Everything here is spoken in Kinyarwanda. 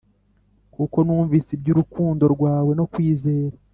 kuko numvise iby urukundo rwawe no kwizera